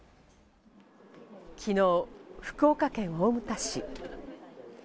昨日、福岡県大牟田市。